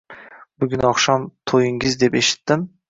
Bugun oqshom to`yingiz deb eshitdim